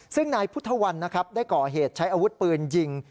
ซึ่งนายพุทธวันนะครับได้ก่อเหตุใช้อาวุธปืนยิง